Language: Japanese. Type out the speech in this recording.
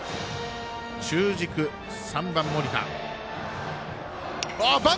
中軸、３番、村田。